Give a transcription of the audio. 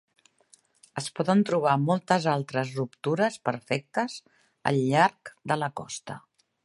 Es poden trobar moltes altres ruptures perfectes al llarg de la costa.